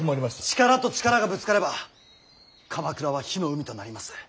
力と力がぶつかれば鎌倉は火の海となります。